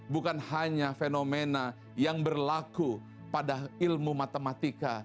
bukan hanya fenomena yang berlaku pada ilmu matematika